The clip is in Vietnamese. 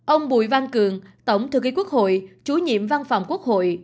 ông bùi văn cường tổng thư ký quốc hội chủ nhiệm văn phòng quốc hội